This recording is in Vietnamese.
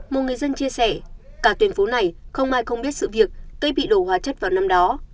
một người dân chia sẻ cả tuyên phố này không ai không biết sự việc cây bị đổ hóa chất vào năm đó